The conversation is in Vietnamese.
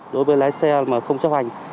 đối với lái xe mà không chấp hành